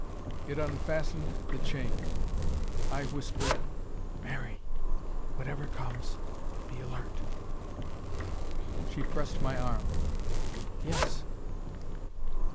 It unfastened the chain. I whispered: "Mary, whatever comes, be alert." She pressed my arm. "Yes."